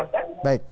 kalau di situ